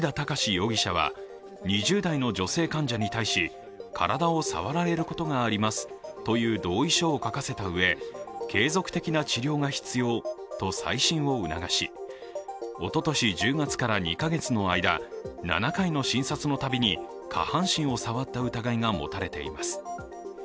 容疑者は２０代の女性患者に対し体を触られることがありますという同意書を書かせたうえ継続的な治療が必要と再診を促しおととし１０月から２か月の間、７回の診察のたびに下半身を触った疑いが持たれています。